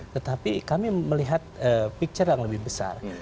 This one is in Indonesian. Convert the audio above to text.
tetapi kami melihat picture yang lebih besar